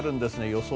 予想